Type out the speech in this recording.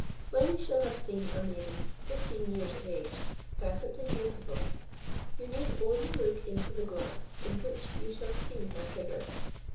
When you shall have seen a maiden fifteen years of age, perfectly beautiful, you need only look into the glass in which you shall see her figure.